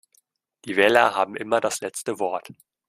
Die Wähler haben immer das letzte Wort.